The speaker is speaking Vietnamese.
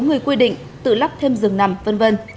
người quy định tự lắp thêm rừng nằm v v